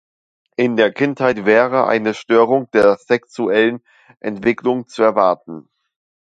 In der Kindheit wäre eine Störung der sexuellen Entwicklung zu erwarten.